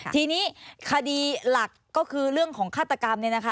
ทีนี้คดีหลักก็คือเรื่องของฆาตกรรม